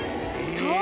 そう。